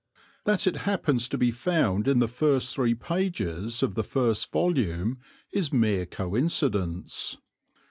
That it happens to be found in the first three pages of the first volume is mere coincidence.